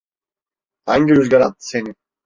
Hangi rüzgar attı seni?